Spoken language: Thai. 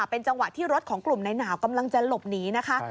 เป็นจังหวะที่รถของกลุ่มในหนาวกำลังจะหลบหนีนะคะ